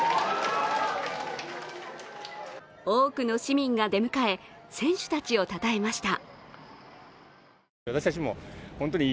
多くの市民が出迎え、選手たちをたたえました。